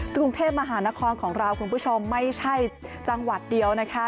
กรุงเทพมหานครของเราคุณผู้ชมไม่ใช่จังหวัดเดียวนะคะ